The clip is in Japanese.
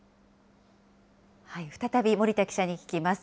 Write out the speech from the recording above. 再び森田記者に聞きます。